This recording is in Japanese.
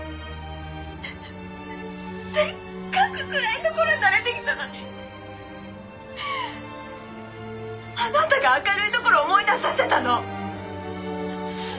せっかく暗いところに慣れてきたのにあなたが明るいところを思い出させたの！